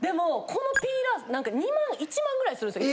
このピーラーなんか２万１万くらいするんですよ。